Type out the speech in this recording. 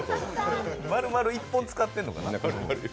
丸々１本使ってんのかな。